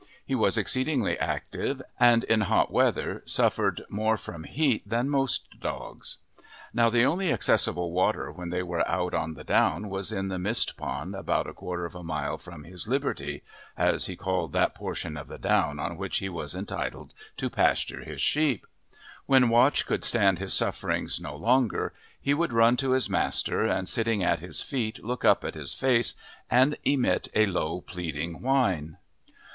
He was exceedingly active, and in hot weather suffered more from heat than most dogs. Now the only accessible water when they were out on the down was in the mist pond about a quarter of a mile from his "liberty," as he called that portion of the down on which he was entitled to pasture his sheep. When Watch could stand his sufferings no longer, he would run to his master, and sitting at his feet look up at his face and emit a low, pleading whine.